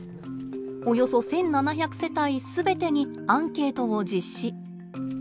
およそ１，７００世帯全てにアンケートを実施。